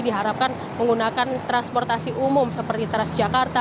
diharapkan menggunakan transportasi umum seperti teras jakarta